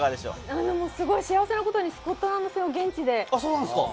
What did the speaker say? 幸せなことにスコットランド戦を現地で。